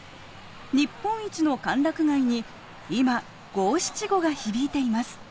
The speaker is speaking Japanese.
日本一の歓楽街に今五七五が響いています。